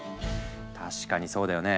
確かにそうだよね。